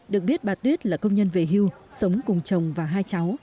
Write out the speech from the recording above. được biết bà tuyết là công nhân về hưu sống cùng chồng và hai cháu